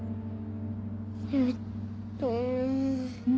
えっとね。